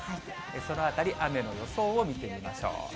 そのあたり、雨の予想を見てみましょう。